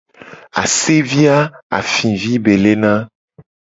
Asevi a afivi be lena.